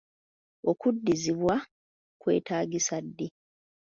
Okuddizibwa kwetaagisa ddi?